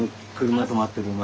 車止まってる前。